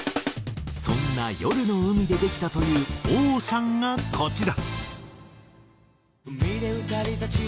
そんな夜の海でできたという『Ｏｃｅａｎ』がこちら。